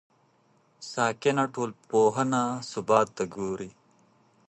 ساکنه ټولنپوهنه ثبات ته ګوري.